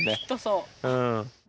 うん。